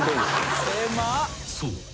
［そう。